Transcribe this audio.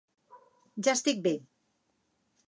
Ja estic bé.